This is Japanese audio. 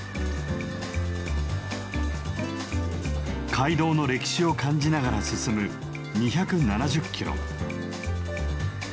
街道の歴史を感じながら進む２７０キロ。